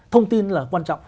thông tin là quan trọng